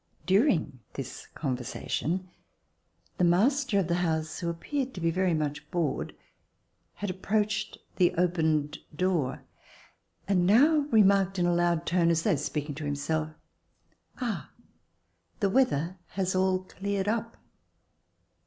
During this conversation the master of the house, who appeared to be very much bored, had approached the opened door, and now remarked in a loud tone, as though speaking to himself: '*Ah! the weather has all cleared up."